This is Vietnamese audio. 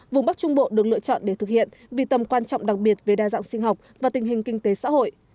vùng bắc trung bộ được lựa chọn để thực hiện vì tầm quan trọng đặc biệt về đa dạng sinh học và tình hình kinh tế xã hội